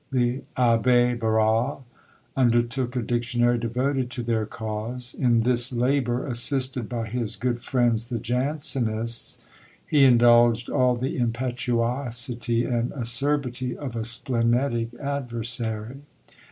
The Abbé Barral undertook a dictionary devoted to their cause. In this labour, assisted by his good friends the Jansenists, he indulged all the impetuosity and acerbity of a splenetic adversary.